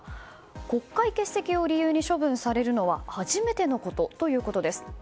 国会欠席を理由に処分されるのは初めてのことということです。